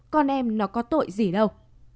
con em nó có tội gì đâu